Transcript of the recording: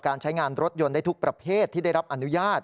ใช้งานรถยนต์ได้ทุกประเภทที่ได้รับอนุญาต